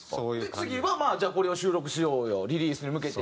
次はまあじゃあこれを収録しようよリリースに向けて。